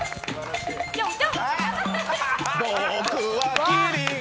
僕はキリン。